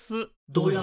「どや」